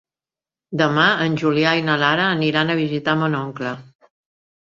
Demà en Julià i na Lara aniran a visitar mon oncle.